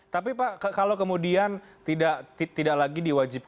tapi pak kalau kemudian tidak lagi diwajibkan